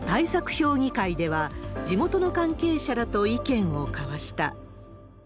評議会では、地元の関係者らと意見を交わした。